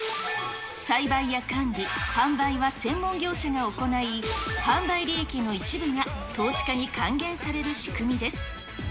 栽培や管理、販売は専門業者が行い、販売利益の一部が投資家に還元される仕組みです。